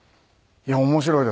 いや面白いです。